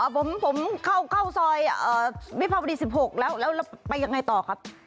ผมเข้าซอยวิภาวดี๑๖แล้วแล้วไปยังไงต่อครับ